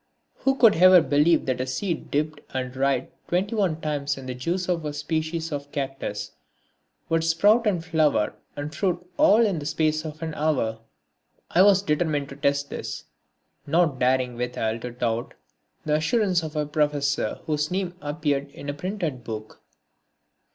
Who could ever believe that a seed dipped and dried twenty one times in the juice of a species of cactus would sprout and flower and fruit all in the space of an hour? I was determined to test this, not daring withal to doubt the assurance of a Professor whose name appeared in a printed book.